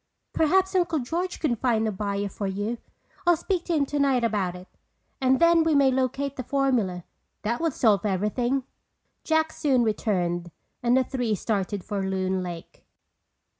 "Perhaps Uncle George can find a buyer for you. I'll speak to him tonight about it. And then we may locate the formula. That would solve everything." Jack soon returned and the three started for Loon Lake.